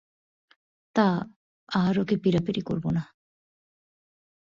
তা, আর ওকে পীড়াপীড়ি করব না।